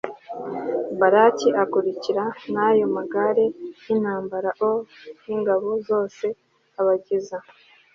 Baraki akurikira n ayo magare y intambara o n ingabo zose abageza